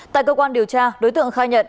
tại cơ quan điều tra đối tượng khai nhận